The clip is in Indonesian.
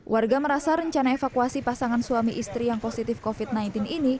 warga merasa rencana evakuasi pasangan suami istri yang positif covid sembilan belas ini